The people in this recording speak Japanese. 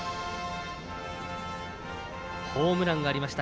ホームランがありました